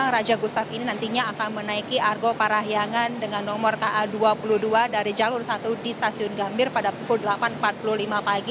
raja gustaf ini nantinya akan menaiki argo parahyangan dengan nomor ka dua puluh dua dari jalur satu di stasiun gambir pada pukul delapan empat puluh lima pagi